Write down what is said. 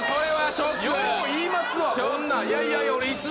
よう言いますわ！